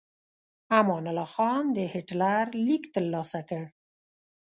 امان الله خان د هیټلر لیک ترلاسه کړ.